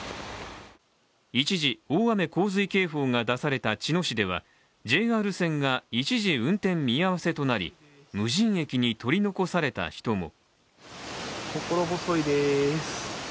一時、大雨洪水警報が出された茅野市では、ＪＲ線が一時運転見合わせとなり、無人駅に取り残された人も。